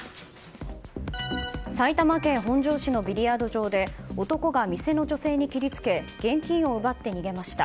埼玉県本庄市のビリヤード場で男が店の女性に切り付け現金を奪って逃げました。